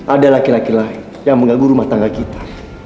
ada laki laki lain yang mengganggu rumah tangga kita